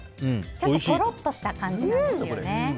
ちょっととろっとした感じなんですよね。